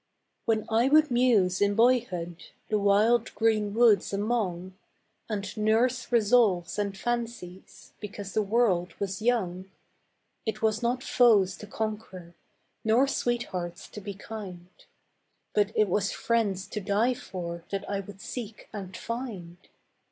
When I would muse in boyhood The wild green woods among, And nurse resolves and fancies Because the world was young, It was not foes to conquer, Nor sweethearts to be kind, But it was friends to die for That I would seek and find.